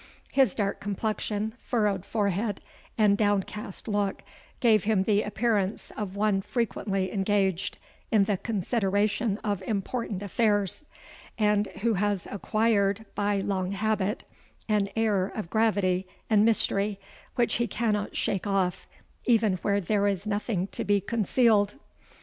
His dark complexion, furrowed forehead, and downcast look, gave him the appearance of one frequently engaged in the consideration of important affairs, and who has acquired, by long habit, an air of gravity and mystery, which he cannot shake off even where there is nothing to be concealed.